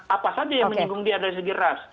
apa saja yang menyinggung dia dari segi ras